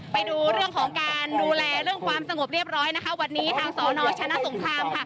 ไปดูเรื่องของการดูแลเรื่องความสงบเรียบร้อยนะคะวันนี้ทางสนชนะสงครามค่ะ